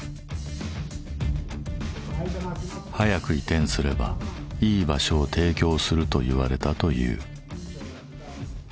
早く移転すればいい場所を提供すると言われたという。